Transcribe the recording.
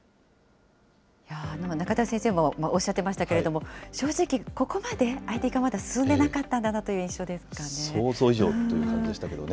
中田先生もおっしゃってましたけれども、正直、ここまでＩＴ化まだ進んでなかったんだなという印象ですけどね。